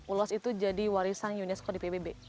ulos itu jadi warisan unesco di pbb